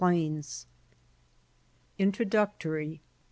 125 INTRODUCTORY.